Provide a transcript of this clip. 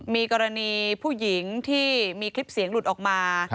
มีกรณีผู้หญิงที่มีคลิปเสียงหลุดออกมา